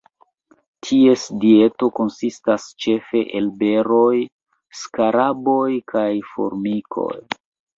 Ties dieto konsistas ĉefe el beroj, skaraboj kaj formikoj.